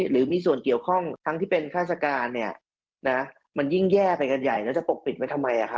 หรือมีส่วนเกี่ยวข้องทั้งที่เป็นฆาติการมันยิ่งแย่ไปกันใหญ่แล้วจะปกปิดไว้ทำไม